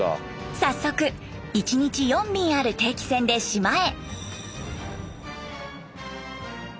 早速１日４便ある定期船で島へ。